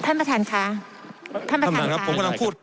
ท่านประธานค่ะท่านประธานค่ะ